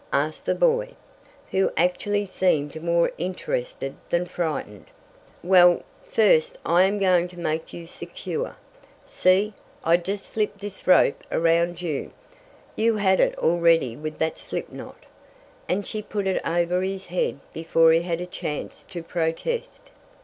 asked the boy, who actually seemed more interested than frightened. "Well, first I am going to make you secure. See, I just slip this rope around you you had it all ready with that slip knot," and she put it over his head before he had a chance to protest.